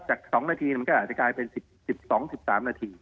๒นาทีมันก็อาจจะกลายเป็น๑๒๑๓นาที